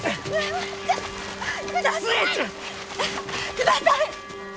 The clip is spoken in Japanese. ください！